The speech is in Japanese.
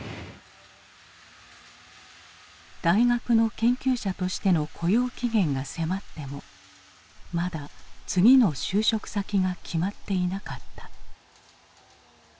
大学の研究者としての雇用期限が迫ってもまだ次の就職先が決まっていなかった。